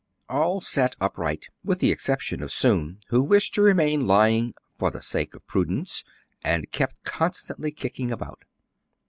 *' All sat upright, with the exception of Soun, who wished to remain lying for the sake of prudence," and kept constantly kicking about.